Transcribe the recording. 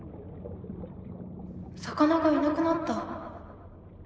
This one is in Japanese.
魚がいなくなった。